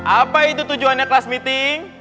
apa itu tujuannya kelas meeting